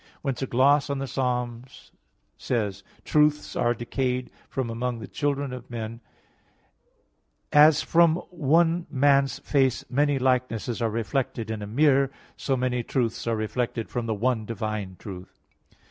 Whence a gloss on Ps. 11:2, "Truths are decayed from among the children of men," says: "As from one man's face many likenesses are reflected in a mirror, so many truths are reflected from the one divine truth."